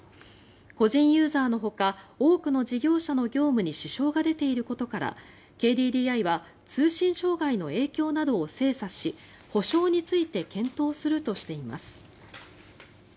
個人ユーザーのほか多くの事業者の業務に支障が出ていることからＫＤＤＩは通信障害の影響などを精査し補償について検討するとしています。